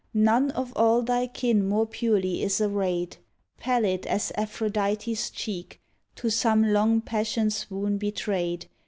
none Of all thy kin more purely is arrayed — Pallid as Aphrodite's cheek To some long passion swoon betrayed.